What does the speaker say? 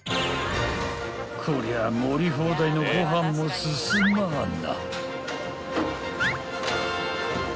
［こりゃ盛り放題のご飯も進まぁな］